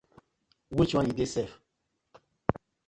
Which one yu dey sef?